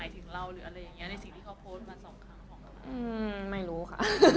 ทุกคนก็รู้ค่ะ